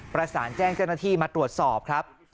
ประสานแจ้งเจ้าหน้าที่มาตรวจสอบครับ